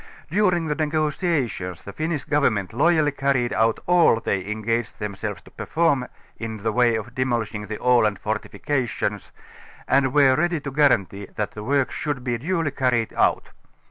During the negotiations the Finnish Government loyall,\' carried out all they engaged themselves to perform in the way of demolishing the Aland fortifications, and were ready to guarantee that the work should be duly carried out.